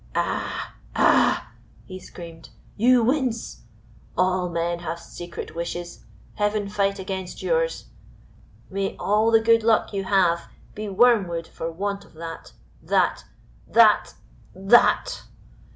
Ah, ah!" he screamed, "you wince. All men have secret wishes Heaven fight against yours. May all the good luck you have be wormwood for want of that that that that.